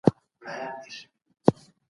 اوس اقتصاد د توليد او وېش چاري ارزوي.